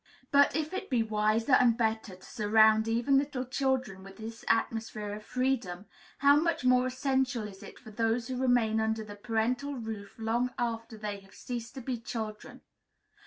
But, if it be wiser and better to surround even little children with this atmosphere of freedom, how much more essential is it for those who remain under the parental roof long after they have ceased to be children!